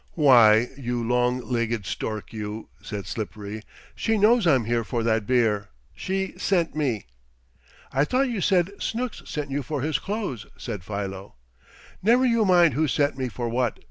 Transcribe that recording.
"Why, you long legged stork you!" said Slippery, "she knows I'm here for that beer. She sent me." "I thought you said Snooks sent you for his clothes," said Philo. "Never you mind who sent me for what!"